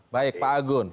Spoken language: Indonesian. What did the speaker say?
baik pak agun